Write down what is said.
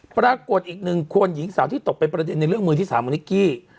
ปรากฏอีกหนึ่งคนหญิงสาวที่ตกเป็นประเด็นในเรื่องมือที่๓ของนิกกี้